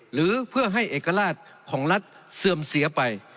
หรือเพื่อให้เอกราชของรัฐเสื่อมเสียไป